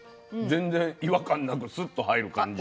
全然違和感なくスッと入る感じ。